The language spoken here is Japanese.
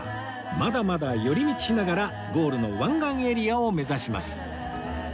まだまだ寄り道しながらゴールの湾岸エリアを目指します